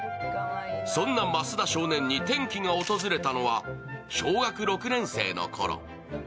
そんな増田少年に転機が訪れたのは小学６年生のころ。